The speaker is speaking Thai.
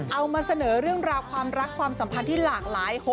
เอามาเสนอเรื่องราวความรักความสัมพันธ์ที่หลากหลาย